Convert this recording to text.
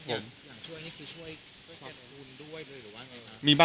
ของขวัญรับปริญญา